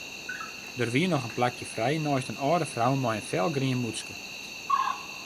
Der wie noch in plakje frij neist in âlde frou mei in felgrien mûtske.